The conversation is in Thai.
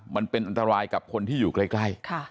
มันเป็นอันตรายกับคนที่อยู่ใกล้